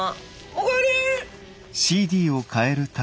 お帰り。